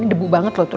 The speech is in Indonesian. ini debu banget loh tuh